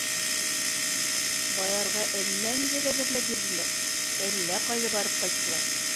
Баярға әллә ниҙәр әҙерләп бирҙеләр, әллә ҡайҙа барып ҡайттылар.